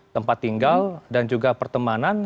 tempat tinggal dan juga pertemanan